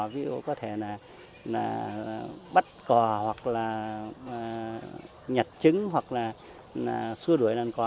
vì có thể là bắt cò hoặc là nhặt trứng hoặc là xua đuổi đàn cò